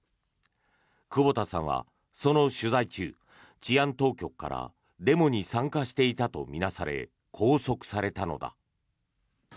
久保田さんは、その取材中治安当局からデモに参加していたと見なされ拘束されたのだ。